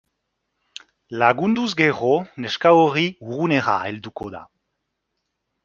Lagunduz gero neska hori urrunera helduko da.